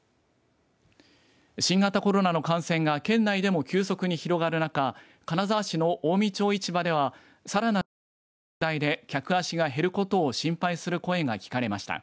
新型コロナの感染が県内でも急速に広がる中金沢市の近江町市場ではさらなる感染の拡大で客足が減ることを心配する声が聞かれました。